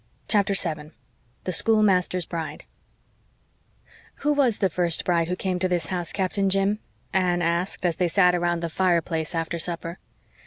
CHAPTER 7 THE SCHOOLMASTER'S BRIDE "Who was the first bride who came to this house, Captain Jim?" Anne asked, as they sat around the fireplace after supper.